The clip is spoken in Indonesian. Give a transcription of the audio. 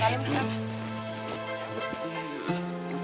salim dulu ya